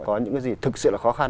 có những cái gì thực sự là khó khăn